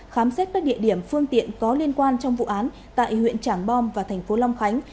khám xét các địa điểm phương tiện có liên quan trong vụ án tại huyện trảng bom và thành phố long khánh